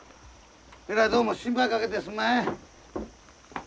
えらいどうも心配かけてすんまへん。